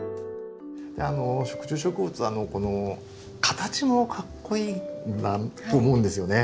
食虫植物はこの形もかっこいいなと思うんですよね。